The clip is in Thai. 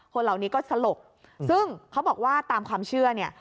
คนเหล่านี้ก็สลบซึ่งเขาบอกว่าตามความเชื่อเนี่ย